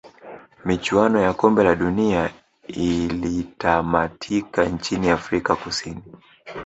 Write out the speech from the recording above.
michuano ya kombe la dunia ilitamatika nchini afrika kusini